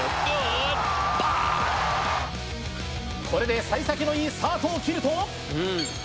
これで幸先のいいスタートを切ると。